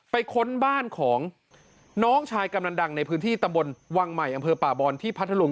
ค้นบ้านของน้องชายกำลังดังในพื้นที่ตำบลวังใหม่อำเภอป่าบอลที่พัทธรุง